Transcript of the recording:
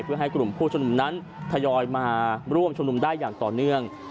เพื่อให้กลุ่มผู้ชมนุมนั้นทยอยมาร่วมชุมนุมได้อย่างต่อเนื่อง